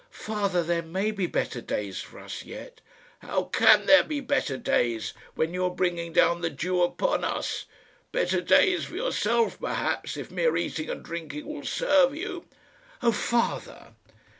"Father, there may be better days for us yet." "How can there be better days when you are bringing down the Jew upon us? Better days for yourself, perhaps, if mere eating and drinking will serve you." "Oh, father!"